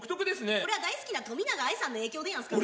これは大好きな冨永愛さんの影響でやんすかね？